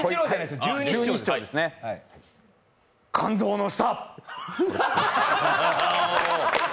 肝臓の下！